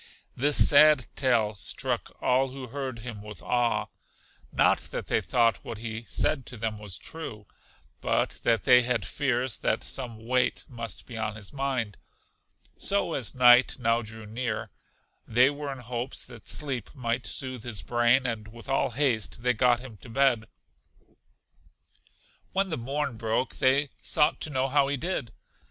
This sad tale struck all who heard him with awe, not that they thought what he said to them was true, but that they had fears that some weight must be on his mind; so, as night now drew near, they were in hopes that sleep might soothe his brain, and with all haste they got him to bed. When the morn broke, they sought to know how he did?